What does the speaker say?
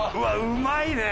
うまいね。